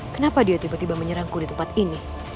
kenapa dia tiba tiba menyerangku di tempat ini